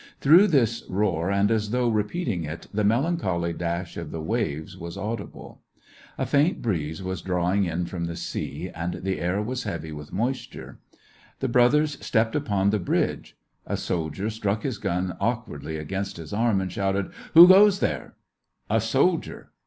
Through this roar, and as though re peating it, the melancholy dash of the waves was audible. A faint breeze was drawing in from the sea, and the air was heavy with moisture. The SEVASTOPOL IN AUGUST. 167 brothers stepped upon the bridge. A soldier struck his gun awkwardly against his arm, and shouted :—*' Who goes there ?" "A soldier."